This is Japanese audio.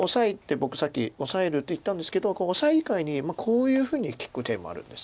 僕さっきオサえると言ったんですけどここオサエ以外にこういうふうに利く手もあるんです。